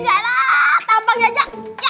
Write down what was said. ya elah tampang aja